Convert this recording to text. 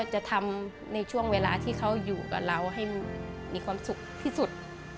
จะทำในช่วงเวลาที่เขาอยู่กับเราให้มีความสุขที่สุด